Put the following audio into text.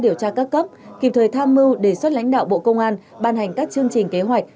điều tra các cấp kịp thời tham mưu đề xuất lãnh đạo bộ công an ban hành các chương trình kế hoạch